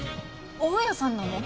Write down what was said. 大家さんなの？